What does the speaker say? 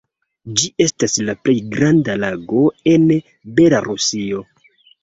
Ĝi estas la plej granda lago en Belarusio.